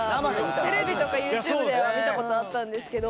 テレビとかＹｏｕＴｕｂｅとかでは見たことあったんですけど。